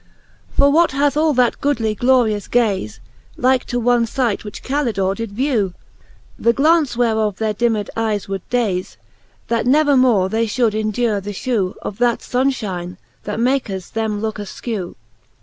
IV. For what hath all that goodly glorious gaze Like to one fight, which Calidore did vew ? The glaunce whereof their dimmed eies would daze, That never more they fhould endure the fhew Of that funne ihine, that makes them looke afkew.